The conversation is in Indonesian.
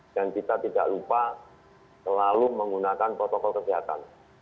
dan kita tidak lupa selalu menggunakan protokol kesehatan